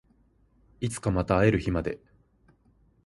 いつかまた会える日まで